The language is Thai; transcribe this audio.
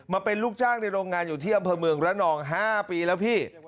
เป็นลูกจ้างในโรงงานอยู่ที่อำเภอเมืองระนอง๕ปีแล้วพี่